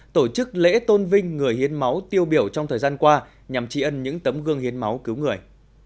tổ chức lễ tôn vinh người hiến máu tiêu biểu trong thời gian qua nhằm trị ân những tấm gương hiến máu cứu người